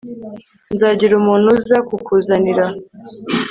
nzagira umuntu uza kukuzanira